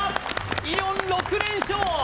イオン６連勝